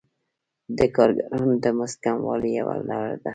د کارګرانو د مزد کموالی یوه لاره ده